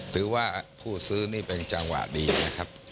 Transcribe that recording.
ถือว่าผู้ซื้อนี่เป็นจังหวะดีนะครับ